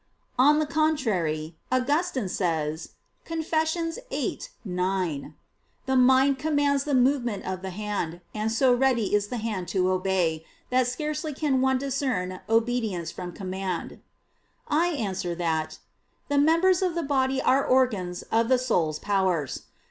On the contrary, Augustine says (Confess. viii, 9): "The mind commands a movement of the hand, and so ready is the hand to obey, that scarcely can one discern obedience from command." I answer that, The members of the body are organs of the soul's powers.